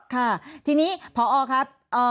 ค่ะที่นี้ค่ะทีนี้ผอครับ